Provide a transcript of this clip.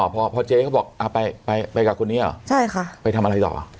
พอพอเจ๊เขาบอกอ่าไปไปกับคนนี้หรอใช่ค่ะไปทำอะไรต่อ